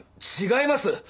違います！